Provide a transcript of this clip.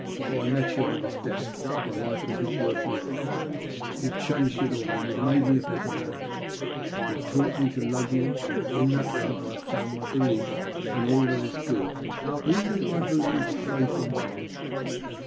Before I met you, I was desperate. My life was not worth living ; but you have changed it all — you have made me a better man. You have taught me to love you, and in that love I have found my belief in all that is good — even, I believe, a faith in God.